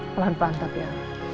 pelan pelan tapi ya